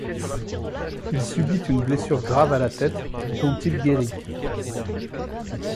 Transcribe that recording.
Il subit une blessure grave à la tête, dont il guérit.